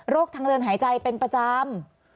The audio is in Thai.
ทางเดินหายใจเป็นประจำ